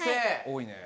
多いね。